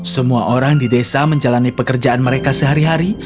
semua orang di desa menjalani pekerjaan mereka sehari hari